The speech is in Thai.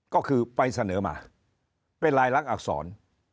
ก็คือไปเสนอมาเป็นลายลักษณอักษร